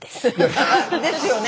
ですよね。